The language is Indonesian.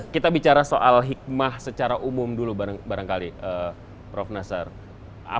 kita bicara soal hikmah secara umum dulu barangkali prof nasaruddin umar ma